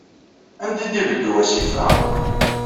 Anda ay d-ibeddu wasif-a?